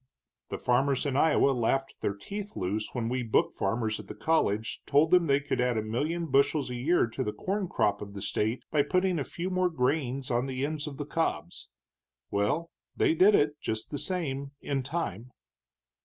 "The farmers in Iowa laughed their teeth loose when we book farmers at the college told them they could add a million bushels a year to the corn crop of the state by putting a few more grains on the ends of the cobs. Well, they did it, just the same, in time."